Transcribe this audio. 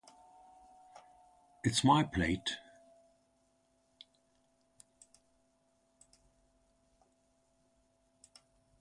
It’s my plate.